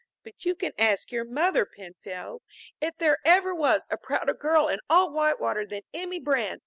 But you can ask your mother, Penfield, if there ever was a prouder girl in all Whitewater than Emmy Brand.